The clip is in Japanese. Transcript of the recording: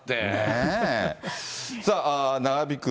さあ、長引く